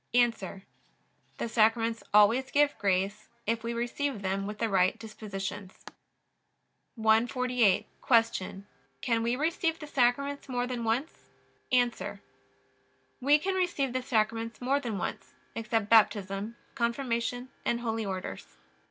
A. The Sacraments always give grace, if we receive them with the right dispositions. 148. Q. Can we receive the Sacraments more than once? A. We can receive the Sacraments more than once, except Baptism, Confirmation, and Holy Orders.